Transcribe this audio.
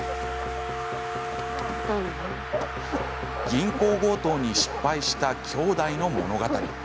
銀行強盗に失敗した兄弟の物語。